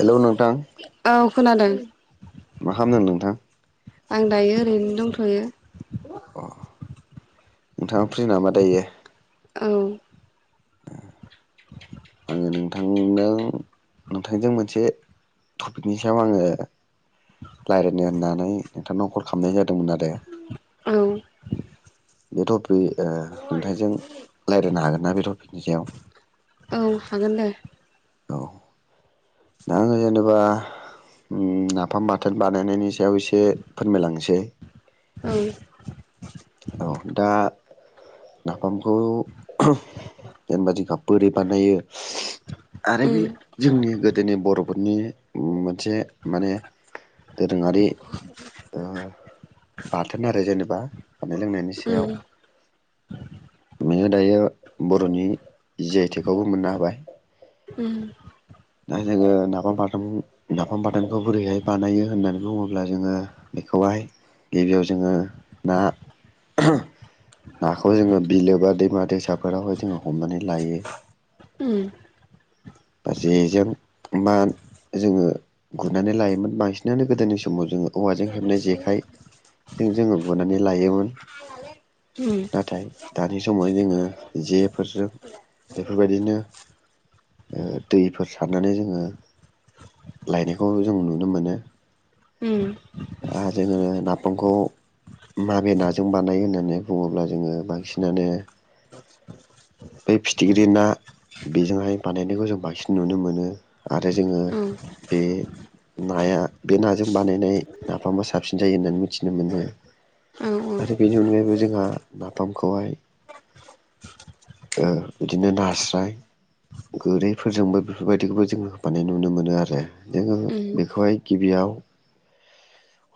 Hello नोंथां। औ खोनादों। मा खालामदों नोंथां? आं दायो ओरैनो दंथ'यो। अ नोंथाङा फ्रि नामा दायो? औ। औ नोंथांनाव नोंथांजों मोनसे टपिकनि सायाव आङो रायज्लायनो होननानै नोंथांनाव कल खालामनाय जादों। जादोंमोन आरो औ बे थपिक बे ओ नोंथांजों रायज्लायनो हागोन ना बे टपिकनि सायाव? औ हागोन दे। औ आङो जेनेबा नाफाम बाथोन बानायनायनि सायाव एसे फोरमायलांनोसै औ औ दा नाफामखौ जेनेबा जों बिगाब बोरै बानायो। आरो उम बे जोंनि गो बर'फोरनि मोन मोनसे माने दोरोङारि ओ बाथोन आरो जेनेबा। बा जानाय लोंनायनि उम सायाव। नोङो दायो बर'नि जि आइ थेखौबो मोननो हाबाय उम दा जोङो नाफाम बाथोन नाफाम बाथोनखौ बोरैहाय बानायो होननानै बुङोब्ला जोङो बेखौ खहाय गिबियाव जोङो ना नाखौ जोङो बिलो बा दैमा दैसाफोरावहाय जोङो हमनानै लायो। उम बा जेजों मा जोङो गुरनानै लायोमोन बांसिनानो गोदोनि समाव जोङो औवाजों हेबनाय जेखाइजों जोङो गुनानै लायोमोन। नाथाय दानि समाव जोङो जेफोरजों बेफोरबायदिनो ओ। दैफोर सारनानै जोङो लायनायखौ जों नुनो मोनो। उम दा जोङो नाफामखौ माबे नाजों बानाय होननानै बुङोब्ला जोङो बांसिनानो बै फिथिख्रि ना बेजोंहाय बानायनायखौ जों बांसिन नुनो मोनो। आरो जोङो बे नाया बे नाजों बानायनाय नाफामा साबसिन जायो होननानै मिथिनो मोनो औ आरो बेनि अनगायैबो जोंहा नाफामखौहाय ओ बिदिनो नास्राय गोरैफोरजोंबो बेफोरबायदिखौबो जों होबानाय नुनो मोनो आरो जोङो उम बेखौहाय गिबियाव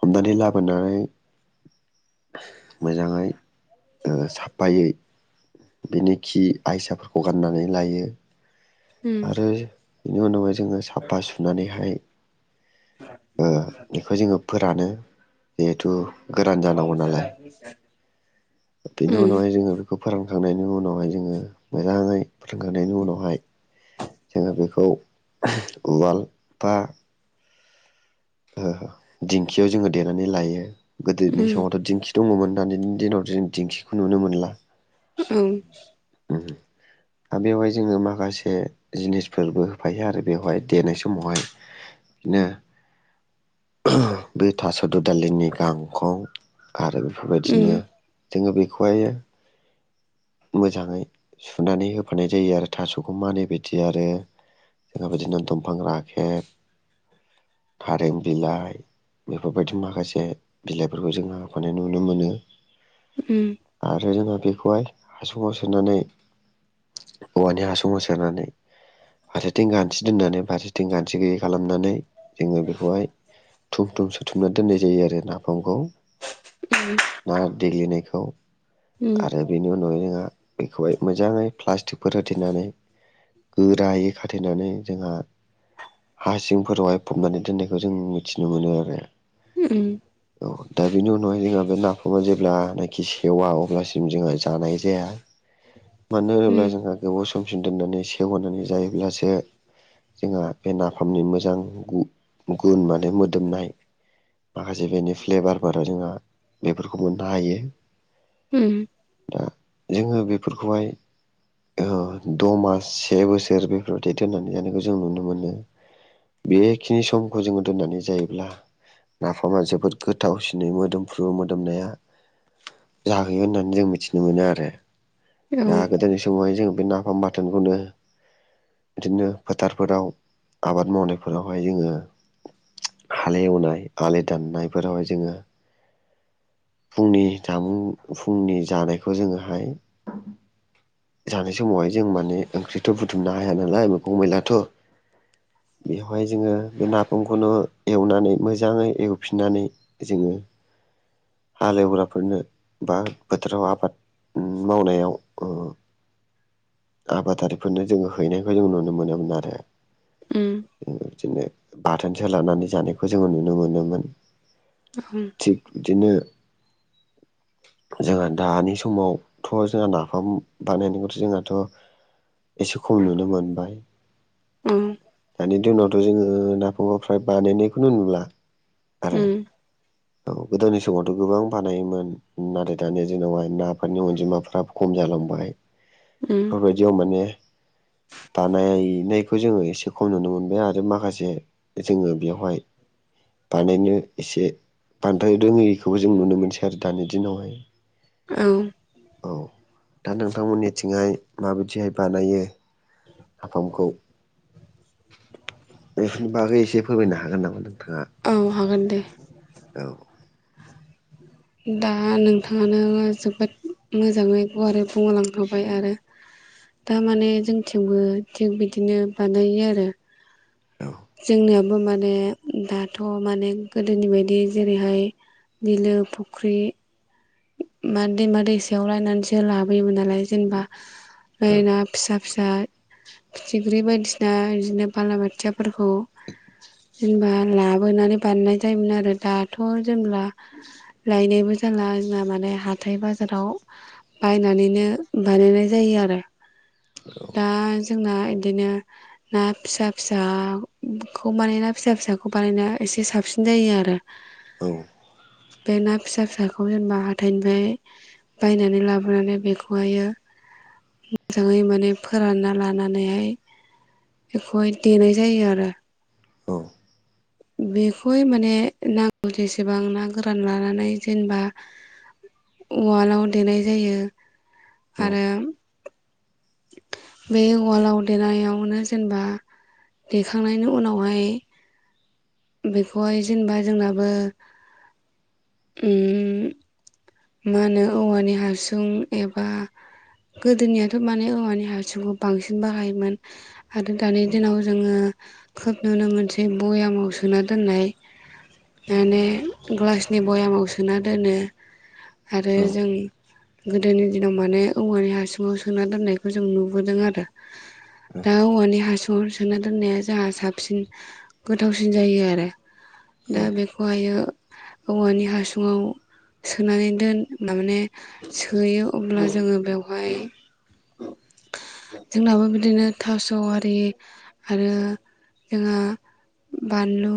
हमनानै लाबोनानै मोजाङै ओ साफायै बेनि खि आयसाफोरखौ गाननानै लायो उम आरो बेनि उनावहाय जोङो साफा सुनानैहाय ओ बेखौ जोङो फोरानो जिहेथु गोरान जानांगौ नालाय उम बेनि उनावहाय जोङो बेखौ फोरोंखांनायनि उनावहाय जोङो मोजाङै फोरोंखांनायनि उनावहाय जोङो बेखौ उवाल बा ओ दिंखियाव जोङो देनानै लायो गोदोनि उम औ उम औ उम औ समावथ' दिंखि दङमोन दानिनि दिनाव जों दिंखिखौ नुनो मोनला ओं [unintelligible] आमिवाय जोङो माखासे जिनिसफोरबो होफायो आरो बेवहाय देनाय समावहाय बिनो बै थास दुदालिनि गांखं आरो बेफोरबायदिनो जोङो बेखौहाय मोजाङै सुनानै होफानाय जायो आरो थास'खौ मानै बायदि आरो जोंहा बिदिनो दंफां राखेब थारें बिलाइ बेफोरबायदि माखासे बिलाइफोरखौ जोङो होफानाय नुनो मोनो उम आरो जोंहा बेखौहाय हासुङाव सोनानै औवानि हासुङाव सोनानै फारसेथिं गान्थि दोननानै फारसेथिं गान्थि गैयि खालामनानै जोङो बेखौहाय थुम थुम सो बुथुमना दोननाय जायो आरो नाफामखौ ना देग्लिनायखौ उम आरो बेनि उनावहाय जोंहा बेखौहाय मोजां ङै प्लास्टिकफोर होथेनानै गोरायै खाथेनानै जोंहा हा सिंफोरावहाय फबनानै दोननायखौ जों मिथिनो मोनो आरो उम औ दा बेनि उनावहाय जोंहा बे नाफामा जेब्लानाखि सेवा अब्लासिम जोंहा जानाय जाया मानो होनोब्ला जोंहा गोबाव सम। ससिन दोननानै सेव होनानै जायोब्लासो। जोंहा बे नाफामनि मोजां गु गुन माने मोदोमनाय। माखासे बेनि फ्लेभारफोराव जोंहा बेफोरखौ मोननो हायो। हम। जोङो बेफोरखौहाय। ओ द'मास से बोसोर बेफोराव थ दोननानै जानायखौ जों नुनो मोनो। बेखिनि समखौ जोङो दोननानै जायोब्ला। नाफामा जोबोद गोथावसिनै मोदोमफ्रु मोदोमनाया। जाहैयो होननानै जों मिथिनो मोनो आरो दा गोदोनि समावहाय जों बे ना। नाम बाथोनखौनो। बिदिनो फोथारफोराव आबाद मावनायफोरावहाय जोङो हालेवनाय आलि दाननायफोरावहाय जोङो फुंनि जामुं फुंनि जानायखौ जोङोहाय जानाय समावहाय जों माने ओंख्रिथ' बुथुमनो हाया नालाय मैगं मैलाथ' [inaudible] बेवहाय जोङो बे नाफामखौनो एवनानै मोजाङै एवफिननानै जोङो हालेवग्रा फोरनो बा बोथोराव आबाद उम मावनायाव ओ आबादारिफोरनो जोङो हैनायखौ जों नुनो मोनोमोन आरो। उम बिदिनो बाथोन सोलानानै जानायखौ जोङो नुनो मोनोमोन थिग बिदिनो [inaudible] जोंहा दानि समावथ' जोंहा नाफाम बानायनायखौथ' जोंहाथ' एसे खम नुनो मोनबाय दानि दिनावथ' जोङो नाफामाक् फ्राय बानायनायखौनो नुला आरो उम औ गोदोनि समावथ' गोबां बानायोमोन नाथाय दानि दिनावहाय नाफोरनि अनजिमाफ्रा खम जालांबाय [unintelligible] बायदियाव माने बानायनायखौ जों एसे खम नुनो मोनबाय आरो माखासे जोङो बेवहाय बानायनो एसे बान्द्राय रोङिखौ जों नुनो मोनसै आरो दानि दिनावहाय। औ औ दा नोंथांमोननिथिंहाय माबायदिहाय बानायो‌? हाफामखौ बेफोरनि बागै एसे फोरमायनो हागोन नामा नों? औ हागोन दे औ दा नोंथाङानो जोबोद मोजाङै गुवार बुंहोलांखाबाय आरो दामाने जों थेवबो थिग बिदिनो बानायो आरो औ जोंना ओ माने दाथ' माने गोदोनि बायदि जेरैहाय बिलो फ ख्रि मा दैमा दैसायाव राननानैसो लाबोयोमोन नालाय जेनेबा औ फ्राय ना फिसा फिसा फिथिख्रि बायदिसिना बिदिनो बालाबाथियाफोरखौ जेनेबा लाबोनानै बानायनाय जायोमोन आरो दाथ' जेनबा लायनायबो जालाज जोंहा माने हाथाय बाजाराव बायनानैनो बानायनाय जायो आरो। दाज जोंना इदिनो ना फिसा फिसाखौ माने ना फिसा फिसाखौ बानायना एस एसे साबसिन जायो आरो। औ बे ना फिसा फिसाखौ जेनबा हाथाइनिफ्राय बायनानै लाबोनानै बेखौहायो [inaudible] मोजाङै माने फोरानना लानानैहाय बेखौहाय देनाय जायो आरो औ बेखौहाय माने नांगौ जेसेबां ना गोरान लानानै जेनेबा उवालआव देनाय जायो आरो बे उवालाव देनायावनो जेनबा देखांनायनि उनावहाय बेखौहाय जेनबा जोंनाबो उम मा होनो औवानि हासुं एबा गोदोनियाथ' माने औवानि हासुंखौ बांसिन बाहायोमोन आरो दानि दिनाव जोङो खोब नुनो मोनसै बयामाव सोना दोननाय माने ग्लासनि बयामाव सोना दोनो आरो जों औ गोदोनि दिनाव माने औवानि हासुङाव सोना दोननायखौ जों नुबोदों आरो। दा औवानि हासुं सोना दोननाया जोंहा साबसिन गोथावसिन जायो आरो। दा बेखौ हायो औवानि हासुङाव सोनानै दोन माने सोयो अब्ला जोङो बेवहाय जोंनाबो बिदिनो थास'आरि आरो जोंहा बानलु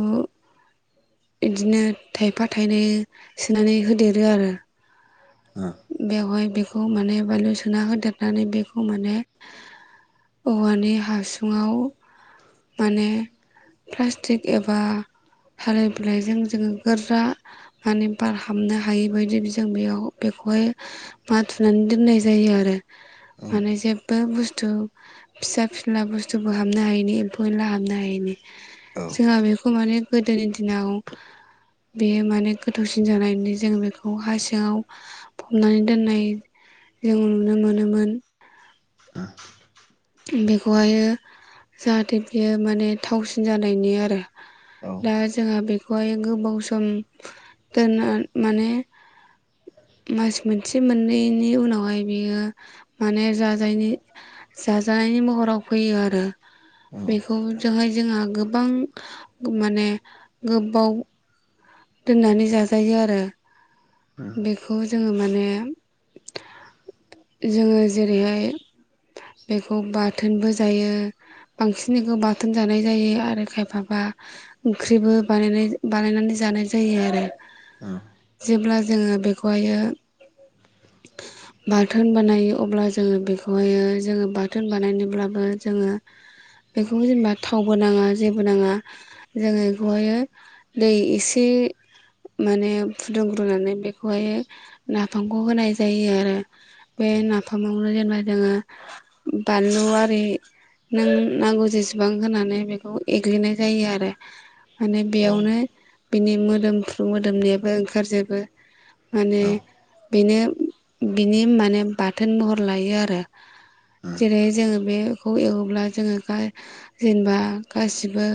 बिदिनो थाइफा थाइनै सोनानै होदेरो आरो। बेवहाय बेखौ माने बानलु सोना होदेरनानै बेखौ माने औवानि हासुङाव माने प्लास्टिक एबा थालिर बिलायजों जोङो गोरा माने बार हाबनो हायि बायदि बिजों बेयाव बेखौ हाय माथुनानै दोननाय जायो आरो। माने जेबो बुस्थु फिसा फिला बुस्थुबो हाबनो हायिनि एम्फौ एनला हाबनो हायिनि। औ जोंहा बेखौ माने गोदोनि दिनाव बेयो माने गोथावसिन जानायनि जों बेखौ हा सिङाव फबनानै दोननाय जों नुनो मोनोमोन। [unintelligible] बेखौ हायो जाहाथे बियो माने थावसिन जानायनि आरो। औ दा जोंहा बेखौ बेखौहाय गोबाव सम दोनना माने [unintelligible] मास मोनसे मोननैनि उनाव हाय बियो माने जाजायनि जाजानायनि महराव फैयो आरो बेखौ जोंहाय जोंहा गोब गोबां माने गोबाव दोननानै जाजायो आरो। औ बेखौ जोङो माने जोङो जेरैहाय बेखौ बाथोनबो जायो बांसिनैखौ बाथोन जानाय जायो आरो खायफाबा ओंख्रिबो बानायनाय बानायनानै जानाय जायो आरो। औ। जेब्ला जोङो बेखौ हायो बाथोन बानायो अब्ला जोङो बेखौहायो जोङो बाथोन बानायनो ब्लाबो जोङो बेखौ जेनेबा थावबो नाङा जेबो नाङा जोङो बेखौहाय दै एसे माने फुदुं ग्रोननानै बेखौहाय नाफामखौ होनाय जायो आरो बे नाफामावनो जेनेबा जोङो बानलु आरि नों नांगौ जेसेबां होनानै बेखौ एग्लिनाय जायो आरो। माने औ बेयावनो बिनि मोदोमफ्रु मोदोम नायाबो ओंखारजोबो। माने औ बेनो बिनि माने बाथोन महर लायो आरो। जेरै जोङो बेखौ एवोब्ला जोङो गा जेनेबा गासिबो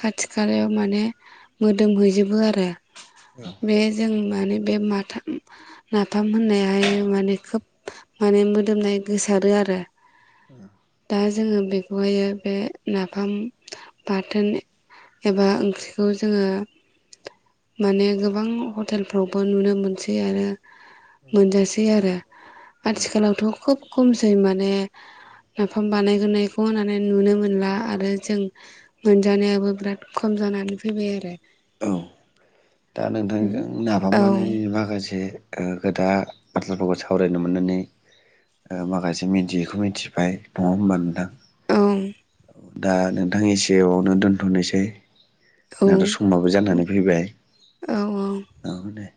खाथि खालायाव माने मोदोमहैजोबो आरो बे जों माने बे माथाम नाफाम होननाया हाय माने खोब माने मोदोमनाय गोसारो आरो। दा [inaudible] जोङो बेखौहायो बे नाफाम बाथोन एबा ओंख्रिखौ जोङो माने गोबां हटेलफ्राव बो नुनो मोनसै आरो मोनजासै आरो आथिखालावथ' खोब खमसै माने नाफाम बानायग्रोनायखौ होननानै नुनो मोनला आरो जों मोनजानायाबो बिराद खम जानानै फैबाय आरो औ दा नोंथांजों नाफाम औ बानायनायनि माखासे ओ खोथा बाथ्राफोरखौ सावरायनो मोननानै ओ माखासे मिथियैखौ मिथिबाय नङा होमबा नोंथां औ दा नोंथां एसेवनो दोनथ'नोसै औ दाथ' समाबो जानानै फैबाय औ दे